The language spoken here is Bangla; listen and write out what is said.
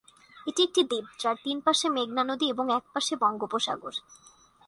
এটি একটি দ্বীপ যার তিন পাশে মেঘনা নদী এবং এক পাশে বঙ্গোপসাগর।